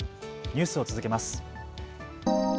ニュースを続けます。